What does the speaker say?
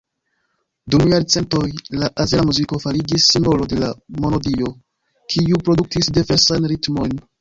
Dum jarcentoj, la azera muziko fariĝis simbolo de la monodio, kiuj produktis diversajn ritmojn.